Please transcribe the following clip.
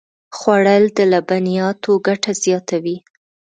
خوړل د لبنیاتو ګټه زیاتوي